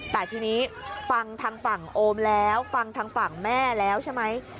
แต่ทีนี้ฟังทางฝั่งโอมแล้วฟังทางฝั่งแม่แล้วใช่ไหม